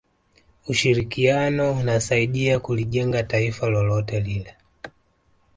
ushirikiano unasaidia kulijenga taifa lolote lile